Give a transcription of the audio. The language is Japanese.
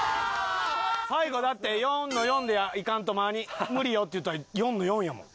最後だって４の４でいかんと無理よって言ったのに４の４やもん。